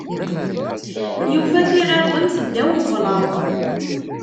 Yufa tiɣirdemt ddaw ublaḍ.